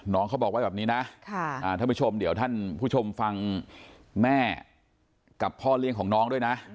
เขาบอกไว้แบบนี้นะท่านผู้ชมเดี๋ยวท่านผู้ชมฟังแม่กับพ่อเลี้ยงของน้องด้วยนะ